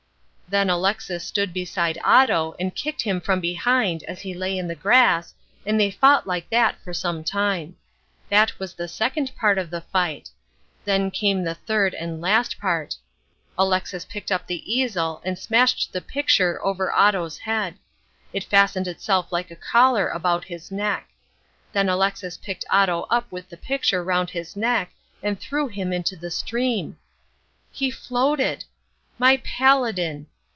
Then Alexis stood beside Otto and kicked him from behind as he lay in the grass, and they fought like that for some time. That was the second part of the fight. Then came the third and last part. Alexis picked up the easel and smashed the picture over Otto's head. It fastened itself like a collar about his neck. Then Alexis picked Otto up with the picture round his neck and threw him into the stream. He floated! My paladin!